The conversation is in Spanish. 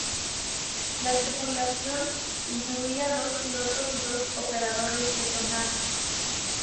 La tripulación incluía dos pilotos y dos operadores de sonar.